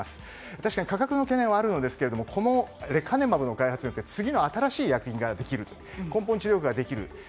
確かに価格の懸念はありますがレカネマブの開発によって次の新しい薬品ができると根本治療薬ができる。